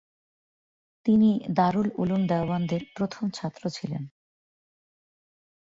তিনি দারুল উলুম দেওবন্দের প্রথম ছাত্র ছিলেন।